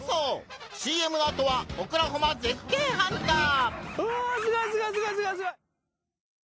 ＣＭのアトは「オクラホマ絶景ハンター」！